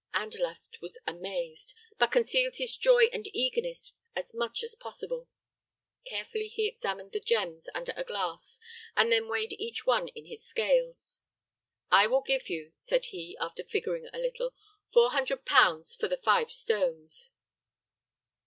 Andalaft was amazed, but concealed his joy and eagerness as much as possible. Carefully he examined the gems under a glass and then weighed each one in his scales. "I will give you," said he, after figuring a little, "four hundred pounds for the five stones."